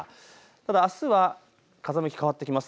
ただあすは風向きが変わってきます。